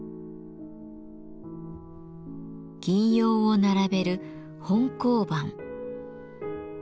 銀葉を並べる「本香盤」。